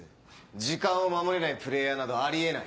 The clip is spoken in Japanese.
時間を守れないプレーヤーなどあり得ない。